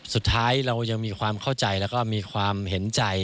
สุดท้ายเรายังมีความเข้าใจแล้วก็มีความเห็นใจ